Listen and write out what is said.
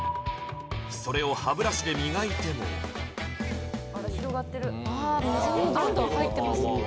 それを歯ブラシで磨いても広がってる溝にどんどん入ってますね